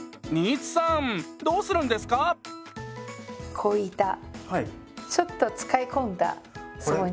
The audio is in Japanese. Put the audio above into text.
こういったちょっと使い込んだスポンジ。